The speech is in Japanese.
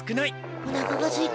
おなかがすいてきた。